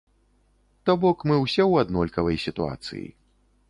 То бок, мы ўсе ў аднолькавай сітуацыі.